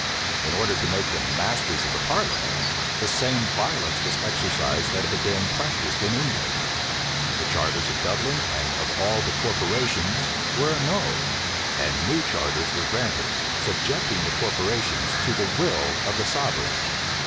In order to make them masters of the parliament, the same violence was exercised that had been practised in England. The charters of Dublin and of all the corporations were annulled; and new charters were granted, subjecting the corporations to the will of the sovereign.